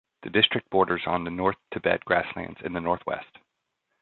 The district borders on the north Tibet grasslands in the northwest.